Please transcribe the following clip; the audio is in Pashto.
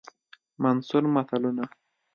منثور متلونه